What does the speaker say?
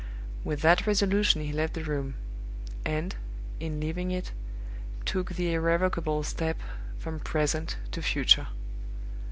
With that resolution he left the room; and, in leaving it, took the irrevocable step from Present to Future.